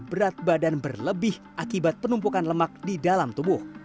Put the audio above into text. berat badan berlebih akibat penumpukan lemak di dalam tubuh